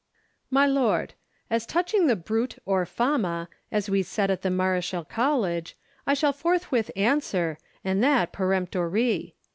These— MY LORD,—As touching the bruit, or fama, as we said at the Mareschal College, I shall forthwith answer, and that peremptorie.